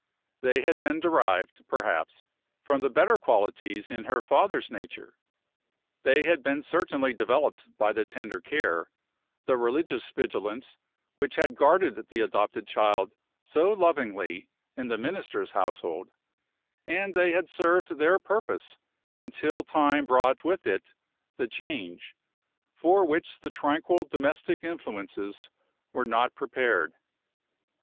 They had been derived, perhaps, from the better qualities in her father's nature; they had been certainly developed by the tender care, the religious vigilance, which had guarded the adopted child so lovingly in the Minister's household; and they had served their purpose until time brought with it the change, for which the tranquil domestic influences were not prepared.